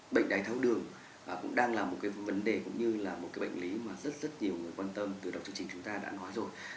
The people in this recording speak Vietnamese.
bệnh đáy tháo đường cũng đang là một vấn đề cũng như là một bệnh lý mà rất nhiều người quan tâm từ đầu chương trình chúng ta đã nói rồi